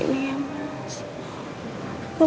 terima kasih dok